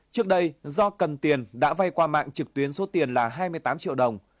trước đây do cần tiền đã vay qua mạng trực tuyến số tiền là hai mươi tám triệu đồng